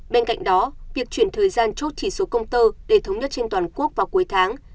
bên cạnh đó việc chuyển thời gian chốt chỉ số công tơ để thống nhất trên toàn quốc vào cuối tháng